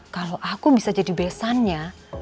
kalau aku bisa jadi besannya